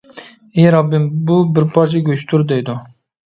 ئى رەببىم، بۇ بىر پارچە گۆشتۇر دەيدۇ.